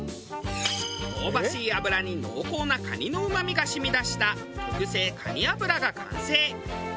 香ばしい油に濃厚な蟹のうまみが染み出した特製蟹油が完成。